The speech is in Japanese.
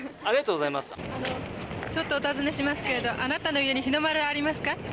あのちょっとお尋ねしますけれどあなたの家に日の丸はありますか？